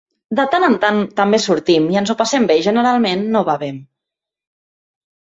De tant en tant, també sortim i ens ho passem bé i generalment no bevem.